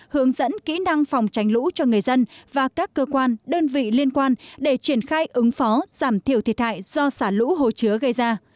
hướng dẫn kỹ năng phòng tránh lũ cho người dân và các cơ quan đơn vị liên quan để triển khai ứng phó giảm thiểu thiệt hại do xả lũ hồ chứa gây ra